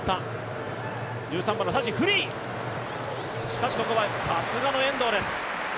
しかしここは、さすがの遠藤です。